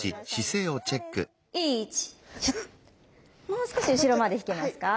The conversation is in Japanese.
もう少し後ろまで引けますか？